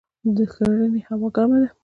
د ښرنې هوا ګرمه ده